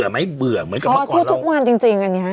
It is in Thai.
ไม่เบื่อเหมือนกับเมื่อก่อนเรา